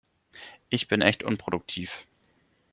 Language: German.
Ich bin echt unproduktiv.